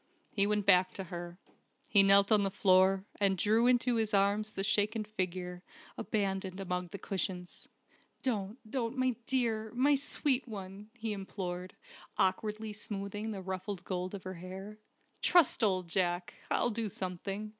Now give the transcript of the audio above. He went back to her. He knelt on the floor, and drew into his arms the shaken figure, abandoned among the cushions. "Don't, don't, my dear my sweet one!" he implored, awkwardly smoothing the ruffled gold of her hair. "Trust old Jack! I'll do something.